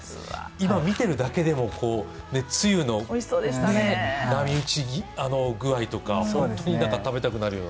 今見てるだけでも、つゆの波打ち具合とか本当に食べたくなる。